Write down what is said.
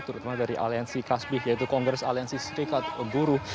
terutama dari aliansi kasbih yaitu kongres aliansi serikat buruh